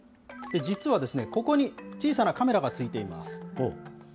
実はここに小さなカメラが付いています。